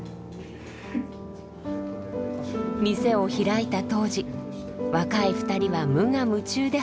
店を開いた当時若い２人は無我夢中で働きました。